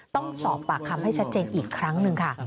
ต้องสอบปากคำให้ชัดเจนอีกครั้งหนึ่งค่ะ